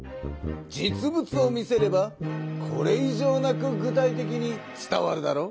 実物を見せればこれい上なく具体的に伝わるだろう。